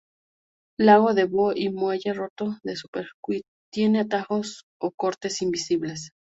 Lago de Boo y Muelle Roto de "Super Circuit" tienen atajos o cortes invisibles.